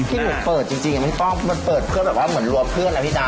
พี่หมูเปิดจริงมันเปิดเพื่อเหมือนรัวเพื่อน